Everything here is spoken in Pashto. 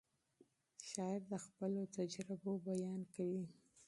شاعر د خپلو تجربو بیان کوي.